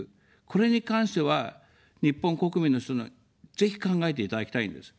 これに関しては、日本国民の人、ぜひ考えていただきたいんです。